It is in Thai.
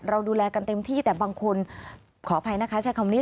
เราดูแลกันเต็มที่แต่บางคนขออภัยนะคะใช้คำนี้